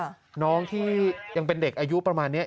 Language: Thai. น้องที่ยังเป็นเด็กอายุประมาณนี้